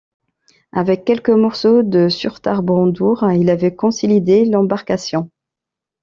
Avec quelques morceaux de surtarbrandur il avait consolidé l’embarcation.